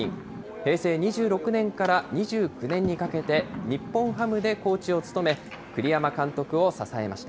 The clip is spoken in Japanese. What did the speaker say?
平成２６年から２９年にかけて、日本ハムでコーチを務め、栗山監督を支えました。